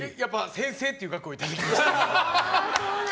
先生っていう額をいただきました。